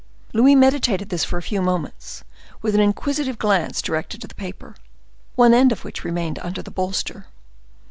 '" Louis meditated this for a few moments, with an inquisitive glance directed to the paper, one end of which remained under the bolster.